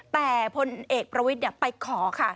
แต่พลเอกประวิทย์ไปขอค่ะ